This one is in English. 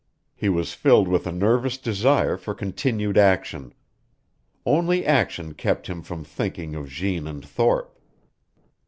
He was filled with a nervous desire for continued action. Only action kept him from thinking of Jeanne and Thorpe.